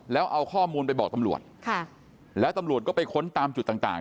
แล้วเอาข้อมูลไปบอกตำรวจค่ะแล้วตำรวจก็ไปค้นตามจุดต่างต่าง